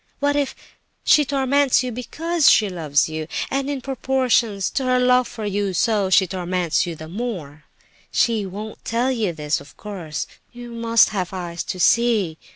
And what if she torments you because she loves you, and in proportion to her love for you, so she torments you the more? She won't tell you this, of course; you must have eyes to see.